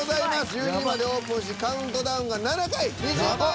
１２位までオープンしカウントダウンが７回２０万円！